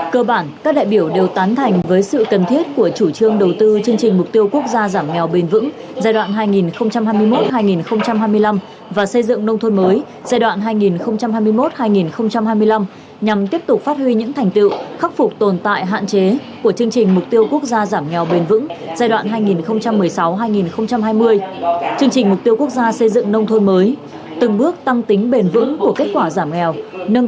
cơ bản các đại biểu đều tán thành với sự cần thiết của chủ trương đầu tư chương trình mục tiêu quốc gia giảm nhớ bền vững giai đoạn hai nghìn hai mươi một hai nghìn hai mươi năm và xây dựng nông thôn mới giai đoạn hai nghìn hai mươi một hai nghìn hai mươi năm nhằm tiếp tục phát huy những thành tựu khắc phục tồn tại hạn chế của chương trình mục tiêu quốc gia giảm nhớ bền vững giai đoạn hai nghìn một mươi sáu hai nghìn hai mươi chương trình mục tiêu quốc gia xây dựng nông thôn mới từng bước tăng tính bền vững của kết quả giảm nhớ bền vững